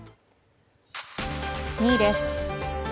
２位です。